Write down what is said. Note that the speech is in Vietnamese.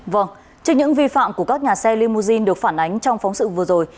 vâng trước những vi phạm của các nhà xe limousine được phản ánh trong phóng sự vừa rồi